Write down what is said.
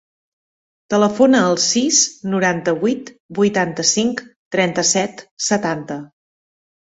Telefona al sis, noranta-vuit, vuitanta-cinc, trenta-set, setanta.